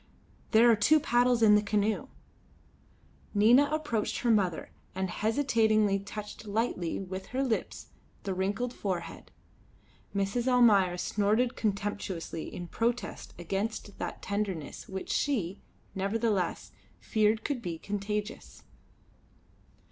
There are two paddles in the canoe." Nina approached her mother and hesitatingly touched lightly with her lips the wrinkled forehead. Mrs. Almayer snorted contemptuously in protest against that tenderness which she, nevertheless, feared could be contagious.